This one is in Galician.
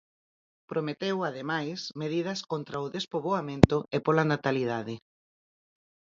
Prometeu, ademais, medidas "contra o despoboamento" e "pola natalidade".